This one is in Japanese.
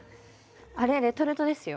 あれレトルトですよ。